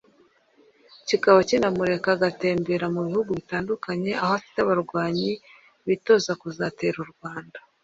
kikaba kinamureka agatemberera mu bihugu bitandukanye aho afite abarwanyi bitoza kuzatera u Rwanda